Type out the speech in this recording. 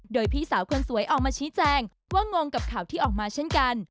โดยพี่สาวคนสวยออกมาชี้แจงว่างงกับข่าวที่ออกมาเช่นกัน